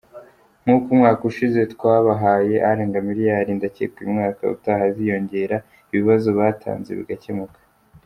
Nkuko umwaka ushize twabahaye arenga miliyari ndakeka uyu mwaka utaha aziyongera ibibazo batanze bigakemuka’’.